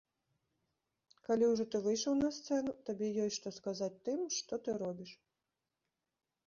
Калі ўжо ты выйшаў на сцэну, табе ёсць што сказаць тым, што ты робіш.